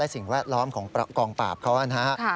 และสิ่งแวดล้อมของกองปราบเขานี่